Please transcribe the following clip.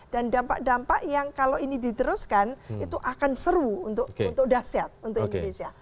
dan dampak dampak yang kalau ini diteruskan itu akan seru untuk dasyat untuk indonesia